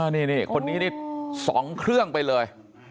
นี่คนนี้นี่๒เครื่องไปเลย